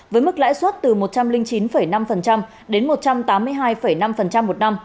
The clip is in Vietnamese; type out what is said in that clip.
với mức lãi suất từ một trăm linh chín năm đến một trăm tám mươi hai năm một năm